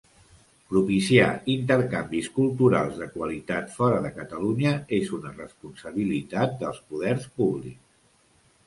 Propiciar intercanvis culturals de qualitat fora de Catalunya és una responsabilitat dels poders públics.